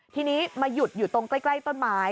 ทีนี้มาหยุดอยู่ตรงใกล้ต้นไม้